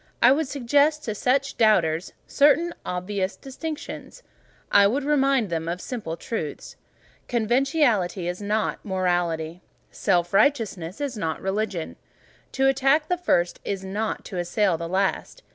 I would suggest to such doubters certain obvious distinctions; I would remind them of certain simple truths. Conventionality is not morality. Self righteousness is not religion. To attack the first is not to assail the last.